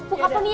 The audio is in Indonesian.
mas buka poninya